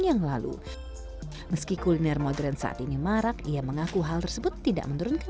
yang lalu meski kuliner modern saat ini marak ia mengaku hal tersebut tidak menurunkan